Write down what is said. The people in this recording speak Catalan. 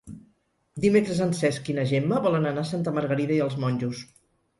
Dimecres en Cesc i na Gemma volen anar a Santa Margarida i els Monjos.